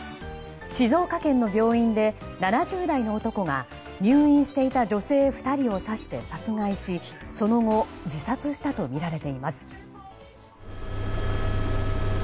静岡県の病院で７０代の男が入院していた女性２人を刺して殺害し、その後自殺したとみられています。